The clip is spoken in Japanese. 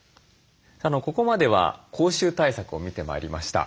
ここまでは口臭対策を見てまいりました。